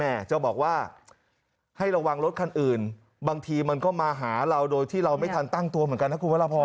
จะบอกว่าให้ระวังรถคันอื่นบางทีมันก็มาหาเราโดยที่เราไม่ทันตั้งตัวเหมือนกันนะคุณพระราพร